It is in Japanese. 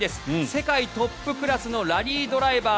世界トップクラスのラリードライバー